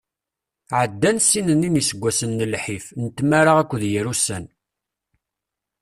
Ɛeddan ssin-nni n iseggasen n lḥif, n tmara akked yir ussan.